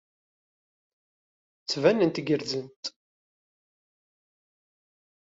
Ttbanent gerrzent.